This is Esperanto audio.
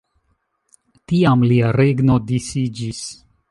Tiam lia regno disiĝis.